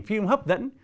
cảnh phim hấp dẫn